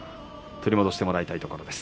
取り戻してもらいたいところです。